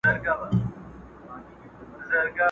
پاکه خاوره به رانجه کړم په کوڅه کي د دوستانو!٫.